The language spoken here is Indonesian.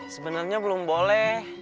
sebenarnya belum boleh